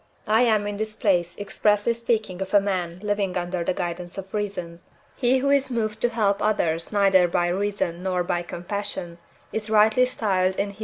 I am in this place expressly speaking of a man living under the guidance of reason. He who is moved to help others neither by reason nor by compassion, is rightly styled inhuman, for (III.